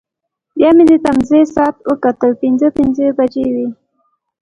بیا مې د تمځای ساعت وکتل، پنځه پنځه بجې وې.